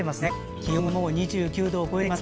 気温はもう２９度を超えています。